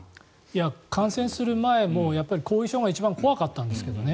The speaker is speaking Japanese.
感染する前も後遺症が一番怖かったんですけどね。